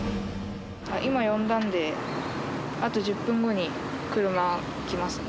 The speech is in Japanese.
今呼んだんであと１０分後に車来ます。